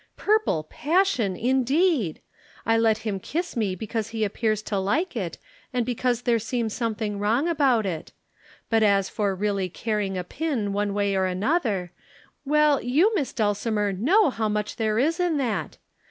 Purple passion, indeed! I let him kiss me because he appears to like it and because there seems something wrong about it but as for really caring a pin one way or another, well, you Miss Dulcimer, know how much there is in that!